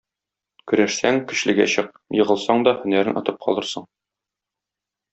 Көрәшсәң көчлегә чык, егылсаң да һөнәрен отып калырсың.